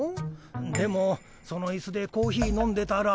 でもそのイスでコーヒー飲んでたら。